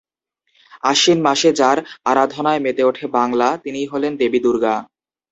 আশ্বিন মাসে যাঁর আরাধনায় মেতে ওঠে বাংলা, তিনিই হলেন দেবী দুর্গা।